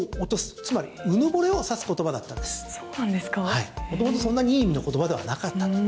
はい、元々そんなにいい意味の言葉ではなかったと。